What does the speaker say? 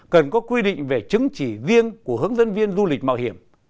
cần có quy định về chứng chỉ riêng của hướng dẫn viên du lịch mạo hiểm